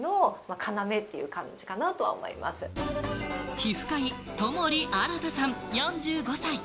皮膚科医・友利新さん４５歳。